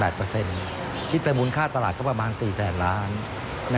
คิดไปมูลค่าตลาดก็ประมาณ๔แสนล้าน